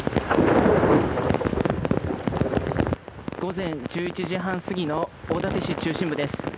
午前１１時半過ぎの大館市中心部です。